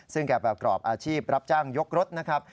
ซึ่งแกประกอบอาชีพรับจ้างยกรถนะครับ